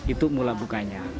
itu mula bukanya